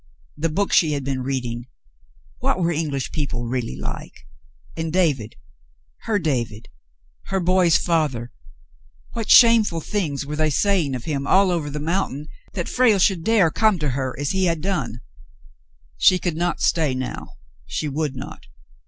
The book she had been reading — what were English people really like "^ And David — her David — her boy's father — what shameful things were they saying of him all over the mountain that Frale should dare come to her as he had done ^ She could not stay now ; she would not.